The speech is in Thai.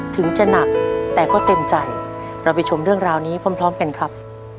ถึงจะหนักแต่ก็เต็มใจเราไปชมเรื่องราวนี้พร้อมกันครับ